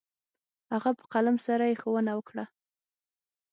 هغه په قلم سره يې ښوونه وكړه.